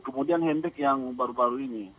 kemudian handic yang baru baru ini